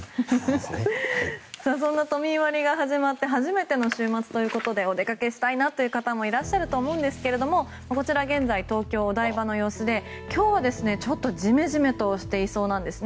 そんな都民割が始まって初めての週末ということでお出かけしたいなという方もいらっしゃると思うんですけれども現在の東京・お台場の様子で今日はちょっとジメジメしていそうです。